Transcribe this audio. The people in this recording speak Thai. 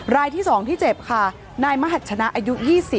รายที่๒ที่เจ็บค่ะนายมหัชนะอายุ๒๐